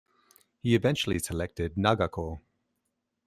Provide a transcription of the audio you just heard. He eventually selected Nagako.